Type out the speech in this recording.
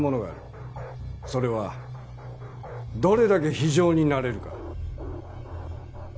それはどれだけ非情になれるか。